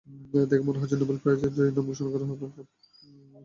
দেখে মনে হচ্ছে নোবেল প্রাইজ জয়ীর নাম ঘোষণা করা হবে এখন!